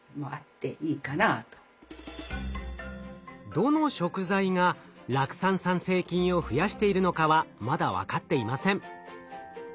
どの食材が酪酸産生菌を増やしているのかはまだ分かっていません。